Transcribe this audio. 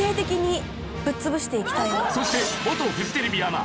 そして。